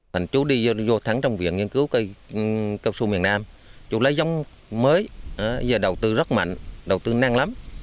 thành chú đi vô thắng trong viện nghiên cứu cây cao su miền nam chú lấy giống mới giờ đầu tư rất mạnh đầu tư năng lắm